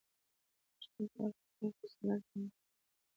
د پوښتنې په وخت کې همدا یوه سندره زمزمه کړي.